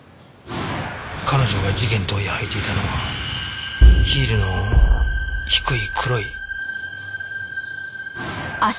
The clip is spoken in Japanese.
彼女が事件当夜履いていたのはヒールの低い黒い。